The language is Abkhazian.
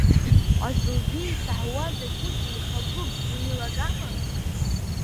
Ҟазылбеи исаҳауа закәызеи, Хабыгә, уеилагама!